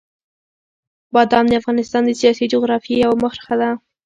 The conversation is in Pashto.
بادام د افغانستان د سیاسي جغرافیې یوه برخه ده.